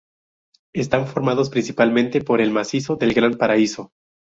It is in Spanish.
Están formados principalmente por el macizo del Gran Paradiso.